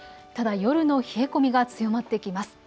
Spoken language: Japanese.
ただ夜の冷え込みが強まってきます。